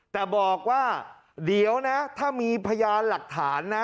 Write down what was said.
แต่บอกว่าเดี๋ยวนะถ้ามีพยานหลักฐานนะ